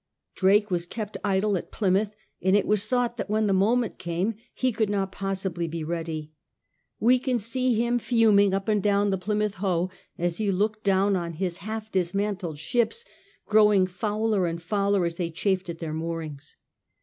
Drake was kept idle at Plymouth, and it was thought that when the moment came he could not possibly be ready. We can see him fuming up and down the Plymouth Hoe as he looked down. on his half dismantled ships, growing fouler and fouler as they chafed at their moorings.